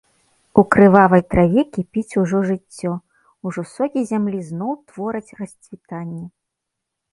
У крывавай траве кіпіць ужо жыццё, ужо сокі зямлі зноў твораць расцвітанне.